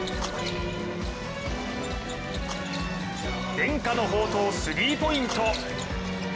伝家の宝刀、スリーポイント！